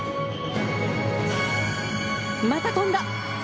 また跳んだ。